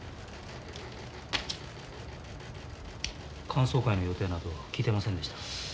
歓送会の予定など聞いてませんでしたが。